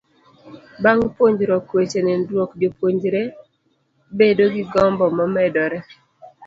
Bang' puonjruok weche nindruok, jopuonjre bedo gi gombo momedore.